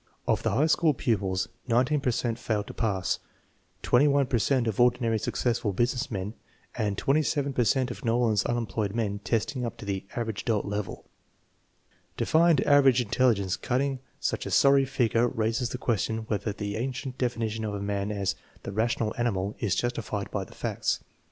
Of the high school pupils 19 per cent failed to pass, 21 per cent of ordinarily successful business men (!), and 27 per cent of Knollin's unemployed men testing up to the " average adult " level. To find average intelligence cutting such a sorry figure raises the question whether the ancient defini tion of man as " the rational animal " is justified by the facts.